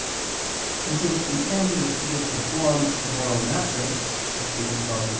And since the end gives the form to moral matters, as stated above (Q.